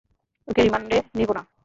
ওকে রিমান্ডে নিব না।